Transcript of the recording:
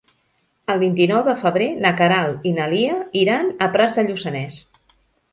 El vint-i-nou de febrer na Queralt i na Lia iran a Prats de Lluçanès.